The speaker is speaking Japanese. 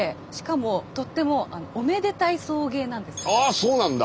あそうなんだ。